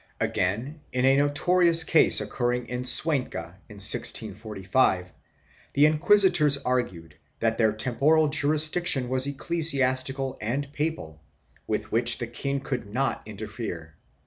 2 Again, in a notorious case occurring in Cuenca in 1645, the inquisitors argued that their temporal jurisdiction was ecclesiastical and papal, with which the king could not interfere.